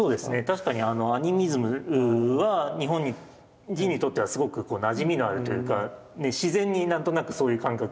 確かにアニミズムは日本人にとってはすごくなじみのあるというか自然に何となくそういう感覚がある。